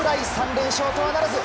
３連勝とはならず。